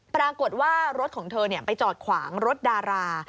ปรากฏว่ารถของเธอไปจอดขวางรถดารา